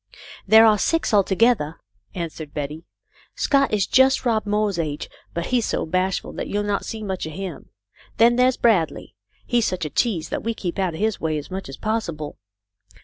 " There are six, altogether," answered Betty. "Scott is just Rob Moore's age, but he is so bashful that you'll not see much of him. Then there's Bradley. He is such a tease that we keep out of his way as much as possible.